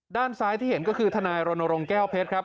ด้านซ้ายที่เห็นก็คือทนายรณรงค์แก้วเพชรครับ